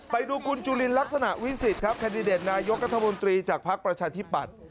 ไปดูคุณจุลินลักษณะวิสิทธิ์ครับแคนดิเดตนายกรัฐมนตรีจากภักดิ์ประชาธิปัตย์